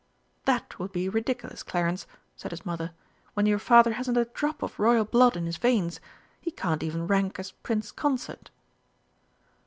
"That would be ridiculous, Clarence," said his mother, "when your Father hasn't a drop of Royal blood in his veins! He can't even rank as Prince Consort!"